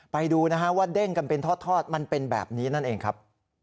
ไปดูนะฮะว่าเด้งกันเป็นทอดมันเป็นแบบนี้นั่นเองครับ